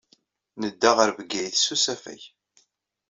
Nedda ɣer Bgayet s usafag.